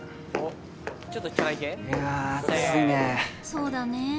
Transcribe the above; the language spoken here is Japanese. そうだね。